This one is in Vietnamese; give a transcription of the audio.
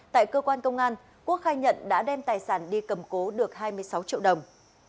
tại cơ quan công an quốc khai nhận đã đem tài sản đi cầm cố được hai mươi sáu triệu đồng